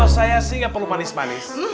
saya sih nggak perlu manis manis